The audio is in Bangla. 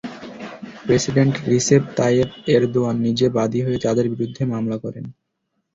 প্রেসিডেন্ট রিসেপ তাইয়েপ এরদোয়ান নিজে বাদী হয়ে তাঁদের বিরুদ্ধে মামলা করেন।